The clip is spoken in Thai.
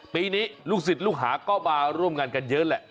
ปีนี้ลูกศิษย์ลูกหาก็มาร่วมงานกันเยอะแหละ